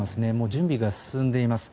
準備が進んでいます。